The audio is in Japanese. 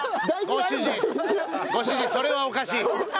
ご主人ご主人それはおかしい。